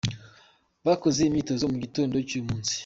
Bakoze imyitozo mu gitondo cy’uyu munsi.